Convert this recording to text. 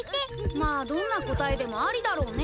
まあどんな答えでもありだろうね。